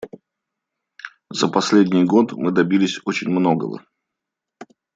За последний год мы добились очень многого.